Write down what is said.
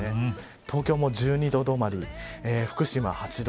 東京も１２度どまり福島８度。